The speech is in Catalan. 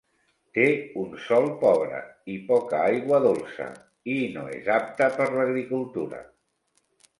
Té un sòl pobre i poca agua dolça, i no és apte per l'agricultura.